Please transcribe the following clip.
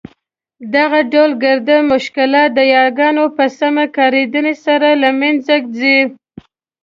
دغه ډول ګرده مشکلات د یاګانو په سمي کارېدني سره له مینځه ځي.